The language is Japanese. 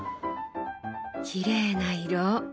きれいな色。